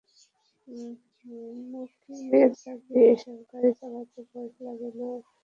মুকিমের দাবি, এসব গাড়ি চালাতে বয়স লাগে না, মনে সাহস থাকলেই চলে।